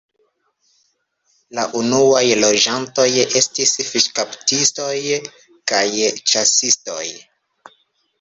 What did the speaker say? La unuaj loĝantoj estis fiŝkaptistoj kaj ĉasistoj.